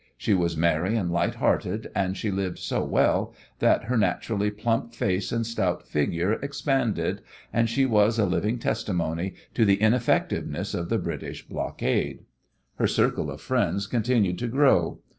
She was merry and light hearted, and she lived so well that her naturally plump face and stout figure expanded, and she was a living testimony to the ineffectiveness of the British blockade. Her circle of friends continued to grow.